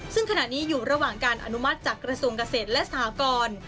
ซึ่งขณะนี้อยู่ระหว่างการอนุมัติจากกระทรวงเกษตรและสหกร